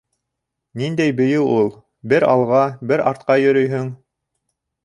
Ниндәй бейеү ул, бер алға, бер артҡа йөрөйһөң?